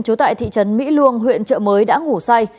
chố tại thị trấn mỹ luông huyện chợ mới đã ngủ say